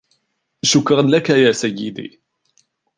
شكرا لك يا سيدي.